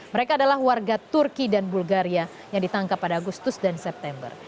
mereka adalah warga turki dan bulgaria yang ditangkap pada agustus dan september